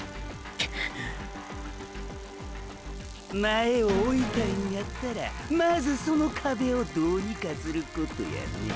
前を追いたいんやったらまずそのカベをどうにかすることやね。